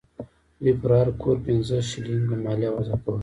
دوی پر هر کور پنځه شلینګه مالیه وضع کوله.